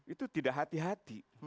itu tidak hati hati